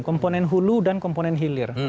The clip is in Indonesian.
komponen hulu dan komponen hilir